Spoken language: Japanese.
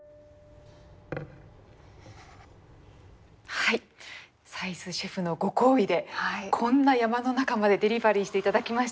はい斉須シェフのご厚意でこんな山の中までデリバリーして頂きました。